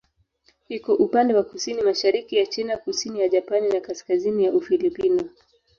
Iko upande wa kusini-mashariki ya China, kusini ya Japani na kaskazini ya Ufilipino.